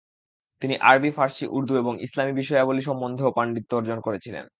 তিনি আরবি, ফার্সি, উর্দু এবং ইসলামী বিষয়াবলী সমন্ধেও পাণ্ডিত্য অর্জন করেছিলেন।